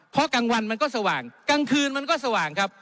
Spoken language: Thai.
เพราะกลางวันมันก็สว่างกลางคืนมันก็สว่างครับ